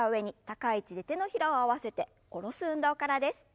高い位置で手のひらを合わせて下ろす運動からです。